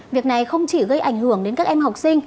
việc này không chỉ gây ảnh hưởng đến các em học sinh